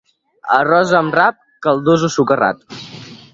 Arròs amb rap, caldós o socarrat.